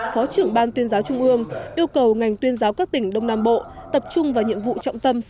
phó trưởng ban tuyên giáo trung ương yêu cầu ngành tuyên giáo các tỉnh đông nam bộ tập trung vào nhiệm vụ trọng tâm